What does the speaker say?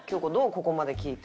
ここまで聞いて。